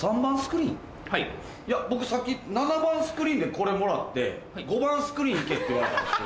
いや僕さっき７番スクリーンでこれもらって５番スクリーン行けって言われたんですよ。